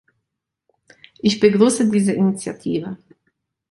Ich begrüße diese Initiative.